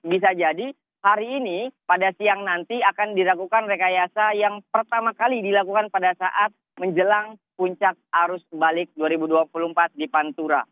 bisa jadi hari ini pada siang nanti akan dilakukan rekayasa yang pertama kali dilakukan pada saat menjelang puncak arus balik dua ribu dua puluh empat di pantura